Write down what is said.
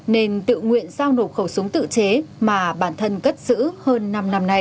nên tự nguyện sao nộp khẩu súng tự chế mà bản thân cất xữ hơn năm năm nay